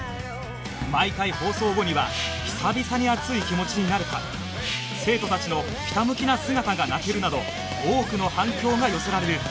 毎回放送後には「久々に熱い気持ちになれた！」「生徒たちのひたむきな姿が泣ける！」など多くの反響が寄せられる